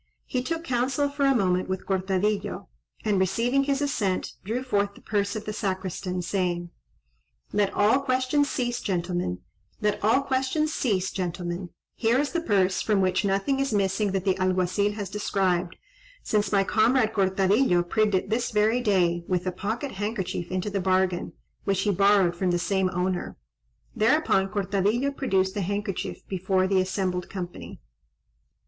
He took counsel for a moment with Cortadillo, and receiving his assent, drew forth the purse of the Sacristan, saying:— "Let all questions cease, gentlemen: here is the purse, from which nothing is missing that the Alguazil has described, since my comrade Cortadillo prigged it this very day, with a pocket handkerchief into the bargain, which he borrowed from the same owner." Thereupon Cortadillo produced the handkerchief before the assembled company.